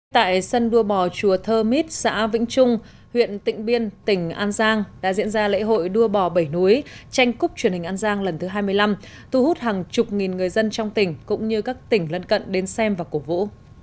tại sân đua bò chùa thơ mít xã vĩnh trung huyện tịnh biên tỉnh an giang đã diễn ra lễ hội đua bò bảy núi tranh cúp truyền hình an giang lần thứ hai mươi năm thu hút hàng chục nghìn người dân trong tỉnh cũng như các tỉnh lân cận đến xem và cổ vũ